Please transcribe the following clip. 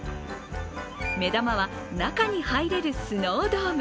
目玉は中に入れるスノードーム。